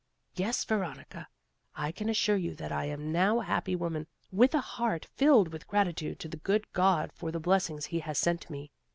Yes, Veronica, I can assure you that I am now a happy woman, with a heart filled with gratitude to the good God for the blessings he has sent me.